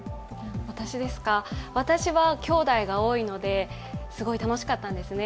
私は兄弟が多いのですごい楽しかったんですね。